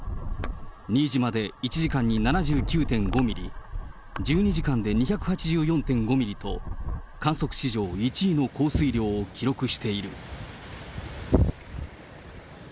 新島で１時間に７９．５ミリ、１２時間で２８４．５ミリと、観測史上１位の降水量を記録している。